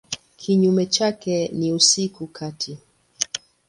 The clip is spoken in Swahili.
Kinyume chake ni usiku kati.